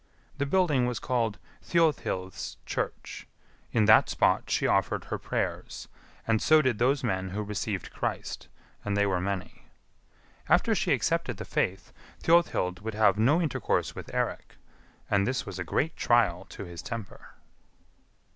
The building was called Thjodhild's Church; in that spot she offered her prayers, and so did those men who received Christ, and they were many. After she accepted the faith, Thjodhild would have no intercourse with Eirik, and this was a great trial to his temper.